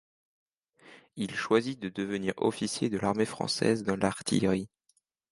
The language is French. Il choisit de devenir officier de l'armée française dans l'artillerie.